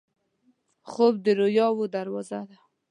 خوب د رویاوو دروازه ده